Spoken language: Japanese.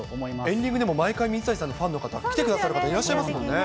エンディングでも、毎回水谷さんのファンの方、来てくださる方、いらっしゃいますもんね。